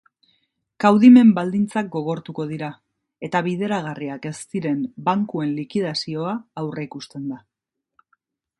Kaudimen baldintzak gogortuko dira eta bideragarriak ez diren bankuen likidazioa aurreikusten da.